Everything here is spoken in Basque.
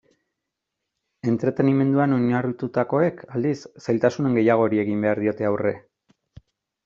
Entretenimenduan oinarritutakoek, aldiz, zailtasun gehiagori egin behar diote aurre.